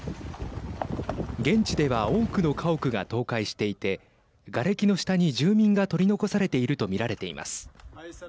現地では多くの家屋が倒壊していてがれきの下に住民が取り残されていると見られています。